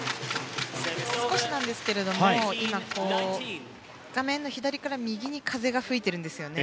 少しなんですが画面の左から右に風が吹いているんですね。